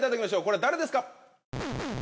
これ誰ですか？